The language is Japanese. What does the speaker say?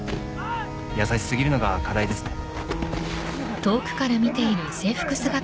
優し過ぎるのが課題ですね。